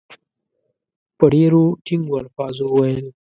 په ډېرو ټینګو الفاظو وویل.